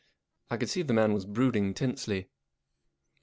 I could see the man was brooding tensely.